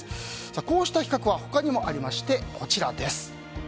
こうした比較は他にもありましてこちら。